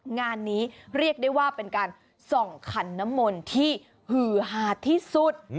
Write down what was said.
งานนี้เรียกได้ว่าเป็นการส่องขันนมลที่หือหาที่สุด